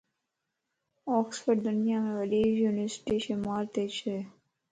اوڪسفورڊ دنيا مَ وڏي يونيورسٽي شمار تي چھه